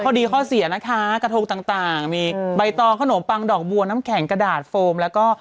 ข้อดีข้อเสียนะคะกระทงต่างมีใบตองขนมปังดอกบัวน้ำแข็งกระดาษโฟมแล้วก็